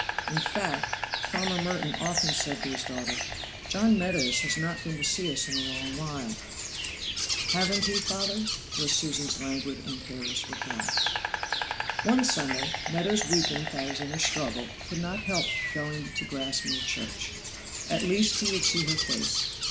In fact, farmer Merton often said to his daughter, "John Meadows has not been to see us a long while." "Hasn't he, father?" was Susan's languid and careless reply. One Sunday, Meadows, weakened by his inner struggle, could not help going to Grassmere church. At least he would see her face.